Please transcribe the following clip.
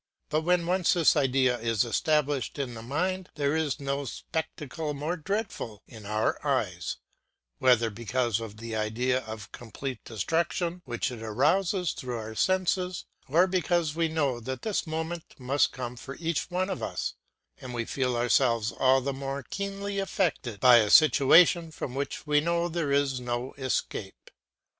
But when once this idea is established in the mind, there is no spectacle more dreadful in our eyes, whether because of the idea of complete destruction which it arouses through our senses, or because we know that this moment must come for each one of us and we feel ourselves all the more keenly affected by a situation from which we know there is no escape.